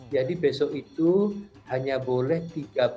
jadi besok itu hanya boleh tiga puluh keluarga istana